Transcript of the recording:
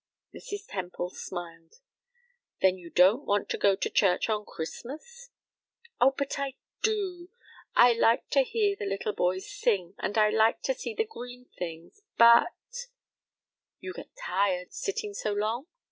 Mrs. Temple smiled. "Then you don't want to go to church on Christmas?" "Oh, but I do; I like to hear the little boys sing, and I like to see the green things, but " "You get tired sitting so long?"